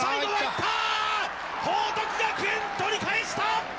報徳学園、取り返した！